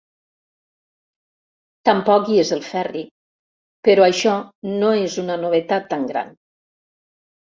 Tampoc hi és el Ferri, però això no és una novetat tan gran.